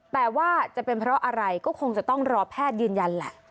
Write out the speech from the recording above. แต่ว่าจะเป็นเพราะอะไรก็คงจะต้องรอแพทย์ยืนยันแหละ